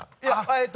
えっと。